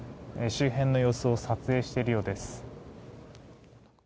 周辺の様子を撮影しているようです。